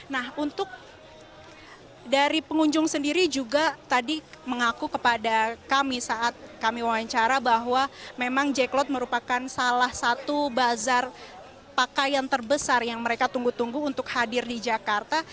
nah untuk dari pengunjung sendiri juga tadi mengaku kepada kami saat kami wawancara bahwa memang jack clot merupakan salah satu bazar pakaian terbesar yang mereka tunggu tunggu untuk hadir di jakarta